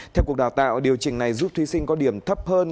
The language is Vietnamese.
theo cuộc đào tạo điều chỉnh này giúp thí sinh có điểm thấp hơn